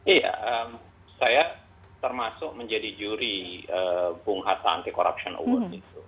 iya saya termasuk menjadi juri bung hatta anti corruption award itu